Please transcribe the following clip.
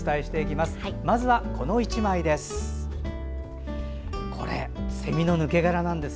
まずはこの１枚です。